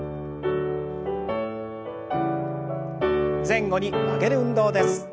前後に曲げる運動です。